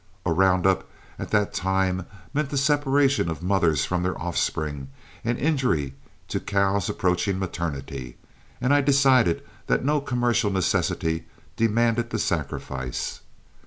A round up at that time meant the separation of mothers from their offspring and injury to cows approaching maternity, and I decided that no commercial necessity demanded the sacrifice.